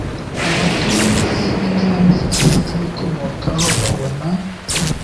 amatunda ibinyampeke nibibikomokaho babona